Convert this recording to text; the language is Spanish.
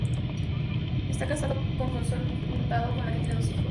Está casado con Consuelo Hurtado, con la que tiene dos hijos.